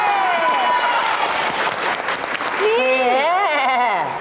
นี่